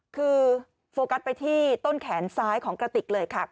คือโฟกัสไปที่ต้นแขนซ้ายของกระติกเลยค่ะ